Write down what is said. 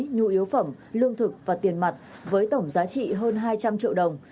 nhu yếu phẩm lương thực và tiền mặt với tổng giá trị hơn hai trăm linh triệu đồng